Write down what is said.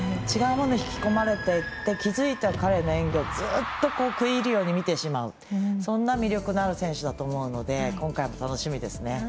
違うものを引き込まれていって気付いたら彼の演技をずっと食い入るように見てしまうというそんな魅力のある選手だと思うので今回も楽しみですね。